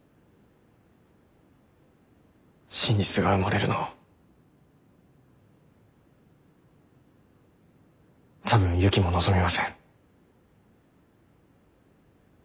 真実が埋もれるのを多分ユキも望みません。